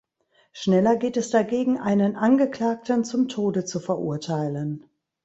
Schneller geht es dagegen, einen Angeklagten zum Tode zu verurteilen.